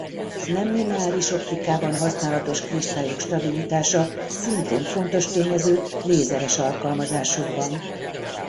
Nemlineáris optikában használatos kristályok stabilitása szintén fontos tényező lézeres alkalmazásokban.